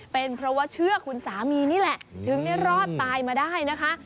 เป็นเพราะว่าเชื่อคุณสามีนี่แหละถึงได้รอดตายมาได้นะคะ